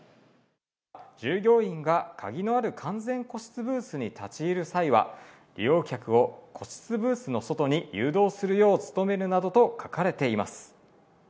従業員が鍵のある完全個室ブースに立ち入る際は、利用客を個室ブースの外に誘導するよう努めるなどと書かれています。